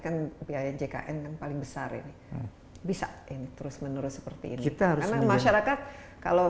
kan biaya jkn yang paling besar ini bisa terus menerus seperti ini kita harus masyarakat kalau